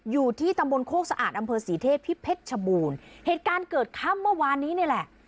อยู่ที่ตำบลโครกสะอาดอำเภอสีเทพพิเภชชะบูนเหตุการณ์เกิดข้ามเมื่อวานนี้นี่แหละ